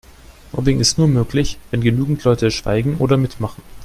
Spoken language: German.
Mobbing ist nur möglich, wenn genügend Leute schweigen oder mitmachen.